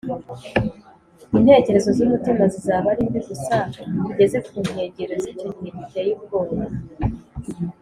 . Intekerezo z’umutima zizaba ari mbi gusa. Tugeze ku nkengero z’icyo gihe giteye ubwoba